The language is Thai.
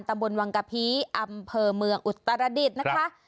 ตำบลวังกะพีอำเภอเมืองอุตรดิษฐ์นะคะ